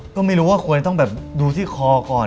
ก็ไม่รู้ว่าควรต้องแบบดูที่คอก่อน